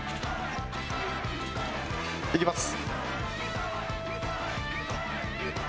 いきます。